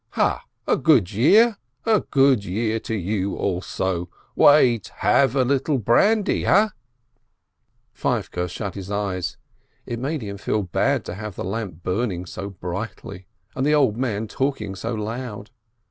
"Ha, a good year ? A good year to you also ! Wait, have a little brandy, ha ?" Feivke shut his eyes. It made him feel bad to have the lamp burning so brightly and the old man talk ing so loud.